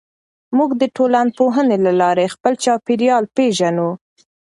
موږ د ټولنپوهنې له لارې خپل چاپېریال پېژنو.